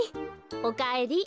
おかえり。